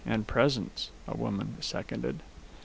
"And presents," a woman seconded.